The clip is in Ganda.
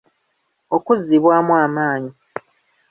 Okuzzibwamu amaanyi.